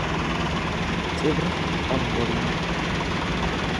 Cibra omborii